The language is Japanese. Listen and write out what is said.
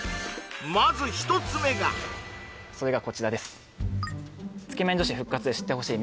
まず１つ目がそれがこちらです